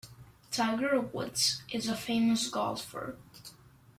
Tiger Woods is a famous golfer.